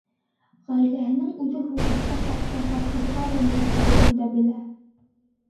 Ғаиләһенең үҙе һуғышта саҡта хаҡһыҙға рәнйетелеүен дә белә.